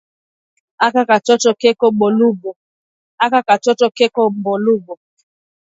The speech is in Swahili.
Aka katoto keko bulombo